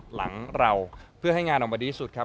หลังเราเพื่อให้งานออกมาดีที่สุดครับ